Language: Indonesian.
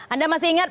anda masih ingat